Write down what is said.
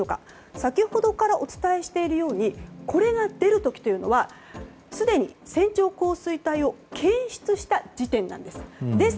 先ほどからお伝えしているようにこれが出る時というのはすでに線状降水帯を検出した時点です。